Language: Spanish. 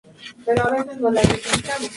Es asesor de Endesa en Cataluña.